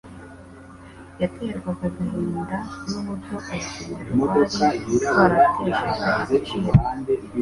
yaterwaga agahinda n’uburyo urusengero rwari rwarateshejwe agaciro